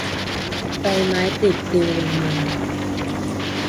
ใบไม้ปลิดปลิวลงมา